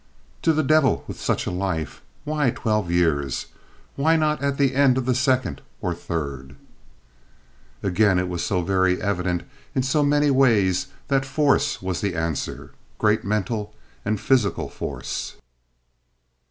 "To the devil with such a life! Why twelve years? Why not at the end of the second or third?" Again, it was so very evident, in so many ways, that force was the answer—great mental and physical force.